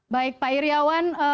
baik pak iryawan